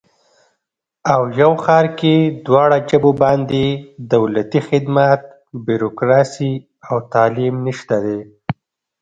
او یو ښار کې دواړه ژبو باندې دولتي خدمات، بیروکراسي او تعلیم نشته دی